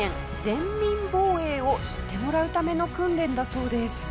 「全民防衛」を知ってもらうための訓練だそうです。